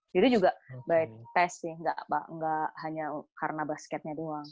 jadi juga baik tes sih gak hanya karena basketnya doang